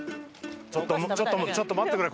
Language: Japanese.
ちょっとちょっと待ってくれ。